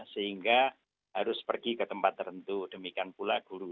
sehingga harus pergi ke tempat tertentu demikian pula guru